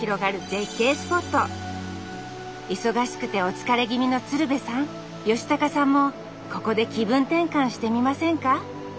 忙しくてお疲れ気味の鶴瓶さん吉高さんもここで気分転換してみませんか。